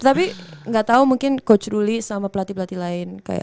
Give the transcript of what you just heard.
tapi gak tau mungkin coach ruly sama pelatih pelatih lain